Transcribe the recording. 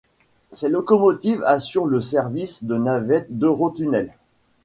Ces locomotives assurent le service de navette d'Eurotunnel.